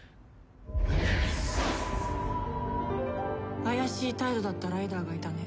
怪しい態度だったライダーがいたね。